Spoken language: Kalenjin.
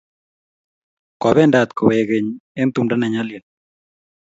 Kopendat kowek keny eng' tumndo ne nyalil